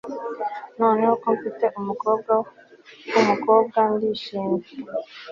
Noneho ko mfite umukobwa wumukobwa ndishimye